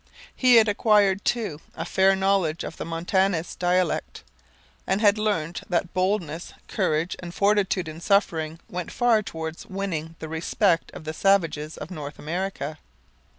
He had acquired, too, a fair knowledge of the Montagnais dialect, and had learned that boldness, courage, and fortitude in suffering went far towards winning the respect of the savages of North America.